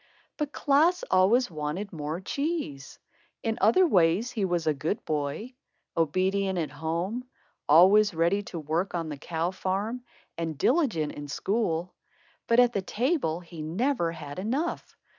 But Klaas always wanted more cheese. In other ways, he was a good boy, obedient at home, always ready to work on the cow farm, and diligent in school. But at the table he never had enough.